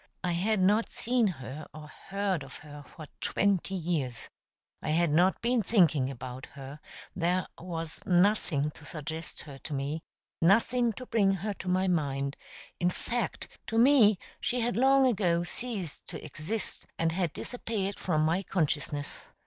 I had not seen her or heard of her for twenty years; I had not been thinking about her; there was nothing to suggest her to me, nothing to bring her to my mind; in fact, to me she had long ago ceased to exist, and had disappeared from my consciousness.